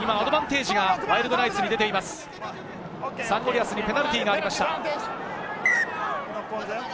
リアスにペナルティーがありました。